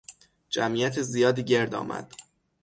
جمعیت زیادی گرد آمد.